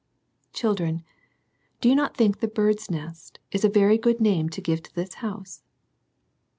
Children, do you not think tl " Bird's Nest" was a very good name to give i this house